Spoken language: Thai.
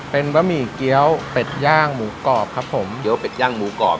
เป็นแบมมี่เกี๊ยวเเป็ดย่างหมูกรอบครับคม